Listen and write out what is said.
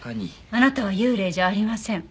あなたは幽霊じゃありません。